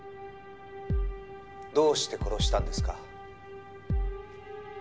「どうして殺したんですか？」